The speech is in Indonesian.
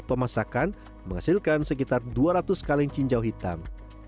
pemasakan menghasilkan sekitar dua ratus kaleng cinjau hitam